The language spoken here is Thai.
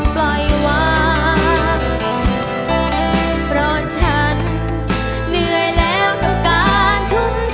ปล่อยวางเพราะฉันเหนื่อยแล้วต้องการทุน